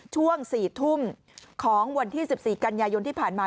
ช่วง๔ทุ่มของวันที่๑๔กันยายนที่ผ่านมา